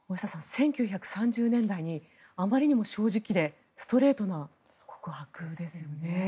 １９３０年代にあまりにも正直でストレートな告白ですね。